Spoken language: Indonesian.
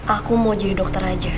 aku mau jadi dokter aja